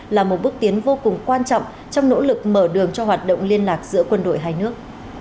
là một bước tiến vô cùng quan trọng trong nỗ lực mở đường cho hoạt động liên lạc giữa quân đội hai nước